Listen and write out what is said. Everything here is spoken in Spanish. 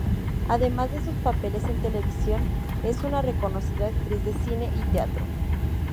Además de sus papeles en televisión, es una reconocida actriz de cine y teatro.